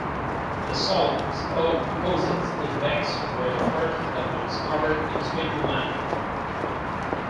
The salt deposits in Bex were the first that were discovered in Switzerland.